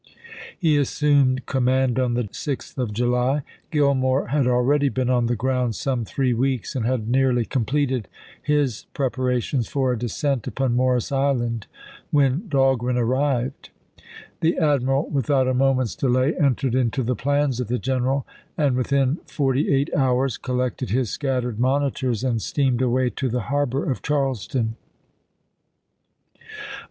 He assumed command on the 6th of July. Gillmore i«53. had already been on the ground some three weeks, and had nearly completed his preparations for a descent upon Morris Island, when Dahlgren arrived. The admiral, without a moment's delay, entered into the plans of the general, and within forty 426 ABRAHAM LINCOLN Chap. XV. Gillmore, Report. W. R. Vol. XXVIII., Part I., pp. 4, 5. eight hours collected his scattered monitors, and steamed away to the harbor of Charleston.